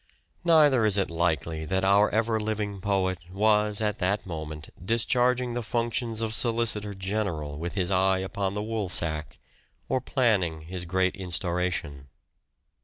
Neither is it likely that " our ever living poet " was at that moment discharging the functions of solicitor general with his eye upon the woolsack, or planning his " Great Instauration."